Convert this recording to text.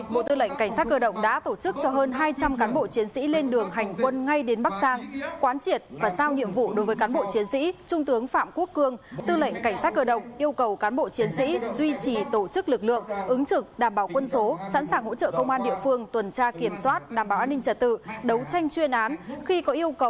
bộ tư lệnh cảnh sát cơ động đã tiếp tục tăng cường hơn hai trăm linh cán bộ chiến sĩ để hỗ trợ tỉnh bắc giang trong công tác đảm bảo an ninh trả tự và phòng chống dịch covid một mươi chín